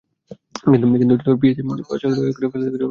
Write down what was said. কিন্তু পিএসসি পাসা করাদের ফেল এবং ফেল করাদের পাস করাতে পারে না।